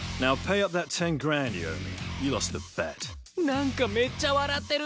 なんかめっちゃ笑ってる！